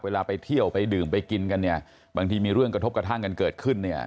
ไปเที่ยวไปดื่มไปกินกันเนี่ยบางทีมีเรื่องกระทบกระทั่งกันเกิดขึ้นเนี่ย